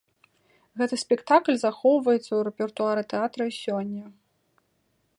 Гэты спектакль захоўваецца ў рэпертуары тэатра і сёння.